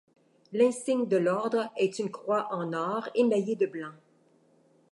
L'insigne de l'ordre est une croix en or émaillée de blanc.